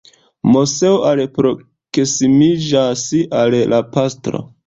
Moseo alproksimiĝas al la pastro.